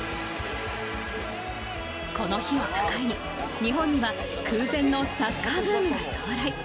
この日を境に、日本には空前のサッカーブームが到来。